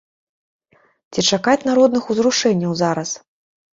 Ці чакаць народных узрушэнняў зараз?